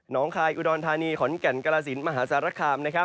น้องคายอุดรทานีขอนแก่นกราศิลป์มหาสารคาม